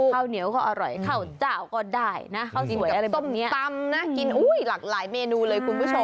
ข้าวเหนียวก็อร่อยข้าวเจ้าก็ได้นะเขากินกับส้มตำนะกินอุ้ยหลากหลายเมนูเลยคุณผู้ชม